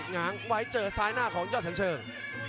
ง้างไว้เจอซ้ายหน้าของยอดสันเชิง